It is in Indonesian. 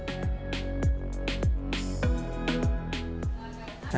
kenapa bakpia yang terbagi dalam produk bakpia